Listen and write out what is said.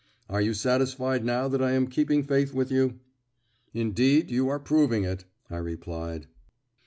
Are you satisfied now that I am keeping faith with you?" "Indeed, you are proving it," I replied.